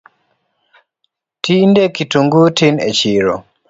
Tinde kitungu tin e chiro